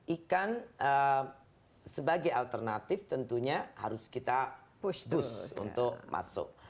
ikan sebagai alternatif tentunya harus kita push toose untuk masuk